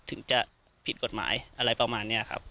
ถึงจะผิดกฎหมายอะไรประมาณนี้ครับ